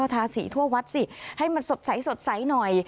ทาสีทั่ววัดสิให้มันสดใสหน่อย